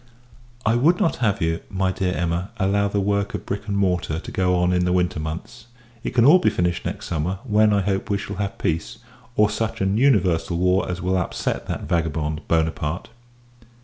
I would not have you, my dear Emma, allow the work of brick and mortar to go on in the winter months. It can all be finished next summer; when, I hope, we shall have peace, or such an universal war as will upset that vagabond, Buonaparte.